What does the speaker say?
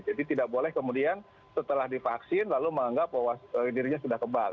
tidak boleh kemudian setelah divaksin lalu menganggap bahwa dirinya sudah kebal